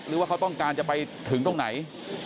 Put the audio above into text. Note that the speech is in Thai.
หรือว่าเขาต้องการจะไปถึงตรงไหน